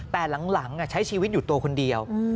แต่หลังใช้ชีวิตอยู่ตัวคนเดียว